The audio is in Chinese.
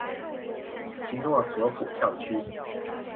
其诺索普校区。